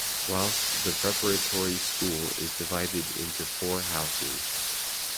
Whilst the Preparatory School is divided into four houses.